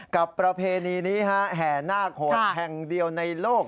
ประเพณีนี้ฮะแห่นาคโหดแห่งเดียวในโลก